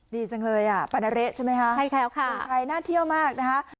ดีจังเลยอ่ะปันเระใช่ไหมฮะใช่ครับค่ะน่าเที่ยวมากนะคะ